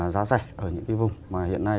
giá rẻ ở những cái vùng mà hiện nay